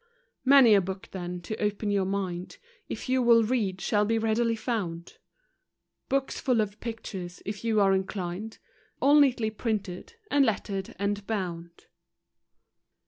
Many a book then, to open your mind, If you will read, shall be readily found $ Books full of pictures, if you are inclined, All neatly printed, and lettered and bound.